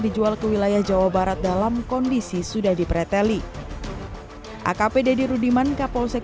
dijual ke wilayah jawa barat dalam kondisi sudah dipereteli akpd di rudiman kapolsek